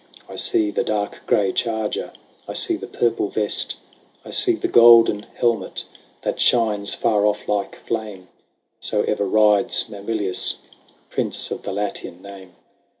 I see the dark grey charger, I see the purple vest ; I see the golden helmet That shines far off like flame ; So ever rides Mamilius, Prince of the Latian name."